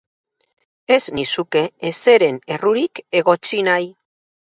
Ez nizuke ezeren errurik egotzi nahi.